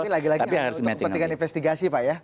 tapi lagi lagi untuk kepentingan investigasi pak ya